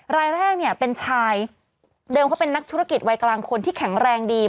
รายแรกเนี่ยเป็นชายเดิมเขาเป็นนักธุรกิจวัยกลางคนที่แข็งแรงดี